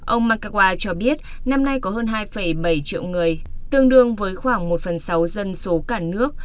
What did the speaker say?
ông macawa cho biết năm nay có hơn hai bảy triệu người tương đương với khoảng một phần sáu dân số cả nước